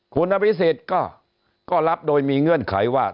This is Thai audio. คุณอภิษฎก็รับโดยมีเงื่อนไขว่า